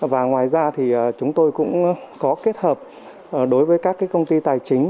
và ngoài ra thì chúng tôi cũng có kết hợp đối với các công ty tài chính